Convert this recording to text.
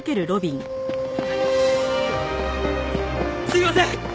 すみません！